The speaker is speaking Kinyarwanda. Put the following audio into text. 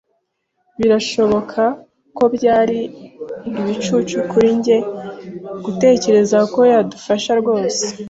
Birashoboka ko byari ibicucu kuri njye gutekereza ko yadufasha rwose.